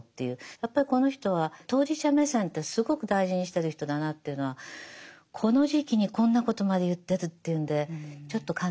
やっぱりこの人は当事者目線ってすごく大事にしてる人だなっていうのはこの時期にこんなことまで言ってるっていうんでちょっと感嘆しましたね。